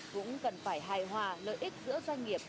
cũng cần phải hài hòa lợi ích giữa doanh nghiệp